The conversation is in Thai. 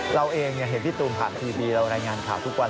เราเองเห็นพี่ตูมผ่านทีวีเรารายงานข่าวทุกวัน